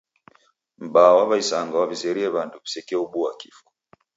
M'baa wa isanga wazerie w'andu w'isekeobua kifwa.